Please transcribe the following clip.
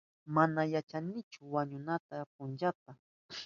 Mana yachanchichu wañunanchi punchata.